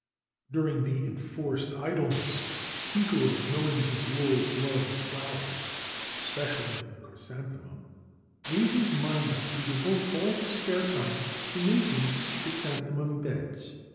During the enforced idleness Kikuo, knowing his lord's love of flowers (especially of the chrysanthemum), made his mind up to devote all his spare time to making chrysanthemum beds.